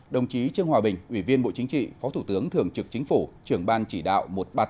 đồng chí trương hòa bình ủy viên bộ chính trị phó thủ tướng thường trực chính phủ trưởng ban chỉ đạo một trăm ba mươi tám